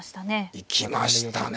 行きましたね。